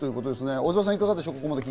小澤さん、どうでしょう。